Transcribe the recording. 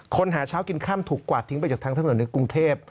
หาเช้ากินค่ำถูกกวาดทิ้งไปจากทางถนนในกรุงเทพ